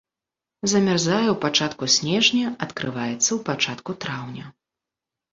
Замярзае ў пачатку снежня, адкрываецца ў пачатку траўня.